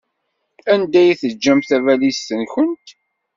Anda ay teǧǧamt tabalizt-nwent?